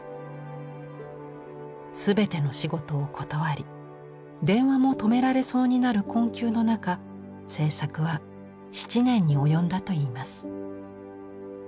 全ての仕事を断り電話も止められそうになる困窮の中制作は７年に及んだといいます。